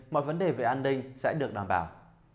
mọi vấn đề về an ninh sẽ được đảm bảo